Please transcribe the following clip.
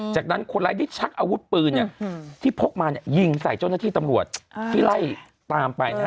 จากนั้นคนร้ายได้ชักอาวุธปืนที่พกมาเนี่ยยิงใส่เจ้าหน้าที่ตำรวจที่ไล่ตามไปนะฮะ